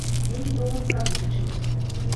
Мы не думаем пра будучыню.